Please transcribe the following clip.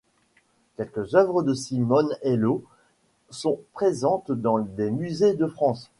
Quelques œuvres de Simone Aillaud sont présentes dans des musées de France.